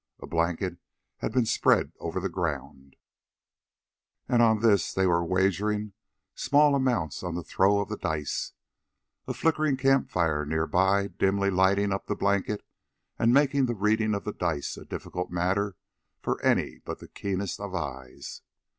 A blanket had been spread over the ground, and on this they were wagering small amounts on the throw of the dice, a flickering camp fire near by dimly lighting up the blanket and making the reading of the dice a difficult matter for any but the keenest of eyes.